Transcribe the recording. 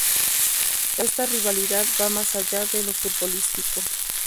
Esta rivalidad va más allá de lo futbolístico.